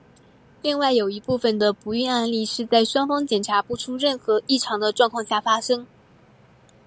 另外有一部分的不孕案例是在双方检查不出任何异常的状况下发生。